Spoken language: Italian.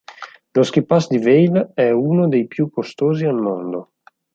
Lo ski-pass di Vail è uno dei più costosi al mondo.